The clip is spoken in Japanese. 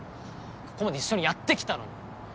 ここまで一緒にやってきたのに。